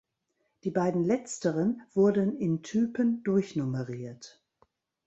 Die beiden letzteren wurden in Typen durchnummeriert.